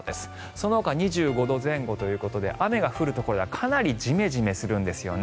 そのほか２５度前後ということで雨が降るところではかなりジメジメするんですよね。